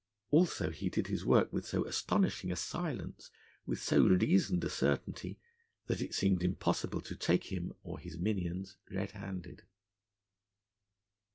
Also, he did his work with so astonishing a silence, with so reasoned a certainty, that it seemed impossible to take him or his minions red handed.